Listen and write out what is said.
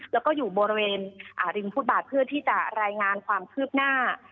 แล้วก็อยู่บริเวณริมฟุตบาทเพื่อที่จะรายงานความคืบหน้า